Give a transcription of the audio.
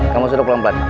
kamu sudah pelan pelan